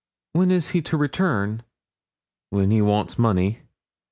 'When is he to return?' 'When he wants money.'